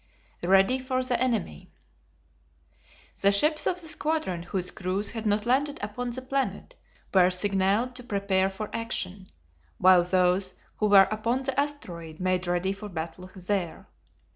Ready for the Enemy. The ships of the squadron whose crews had not landed upon the planet were signalled to prepare for action, while those who were upon the asteroid made ready for battle there.